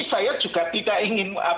saya juga tidak ingin